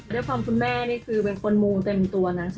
ด้วยความคุณแม่เป็นคนมูลเต็มตัวนะ